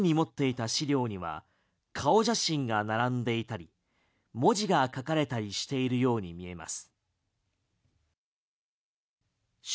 その手に持っていた資料には顔写真が並んでいたり文字が書かれたりしているように見えます。